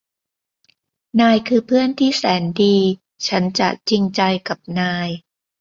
นายคือเพื่อนที่แสนดีฉันจะจริงใจกับนาย